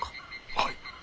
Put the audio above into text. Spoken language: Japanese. はい。